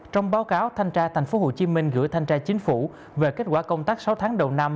trong báo cáo thanh tra tp hcm gửi thanh tra chính phủ về kết quả công tác sáu tháng đầu năm